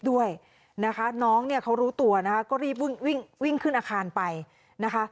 ด้วยนะคะน้องเนี่ยเขารู้ตัวนะคะก็รีบวิ่งวิ่งขึ้นอาคารไปนะคะ